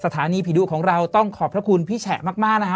สถานีผีดุของเราต้องขอบพระคุณพี่แฉะมากนะฮะ